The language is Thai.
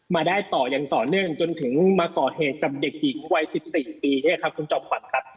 มาได้ต่ออย่างต่อเนื่องจนถึงมาก่อเหตุกับเด็กหญิงวัย๑๔ปีเนี่ยครับคุณจอมขวัญครับ